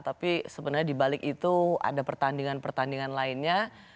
tapi sebenarnya dibalik itu ada pertandingan pertandingan lainnya